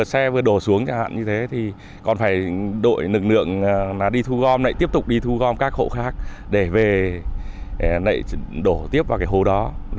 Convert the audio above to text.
xe vừa đổ xuống chẳng hạn như thế thì còn phải đội nực lượng là đi thu gom lại tiếp tục đi thu gom các hộ khác để về lại đổ tiếp vào cái hố đó